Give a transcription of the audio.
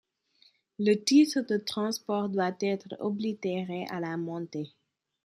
Le titre de transport doit être oblitéré à la montée.